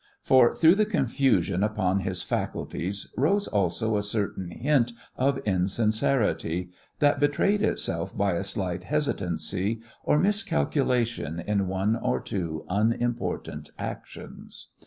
For, through the confusion upon his faculties, rose also a certain hint of insecurity that betrayed itself by a slight hesitancy or miscalculation in one or two unimportant actions.